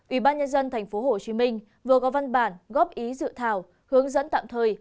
ủy ban nhân dân tp hcm vừa có văn bản góp ý dự thảo hướng dẫn tạm thời